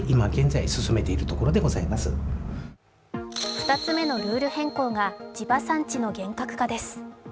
２つ目のルール変更が地場産地の厳格化です。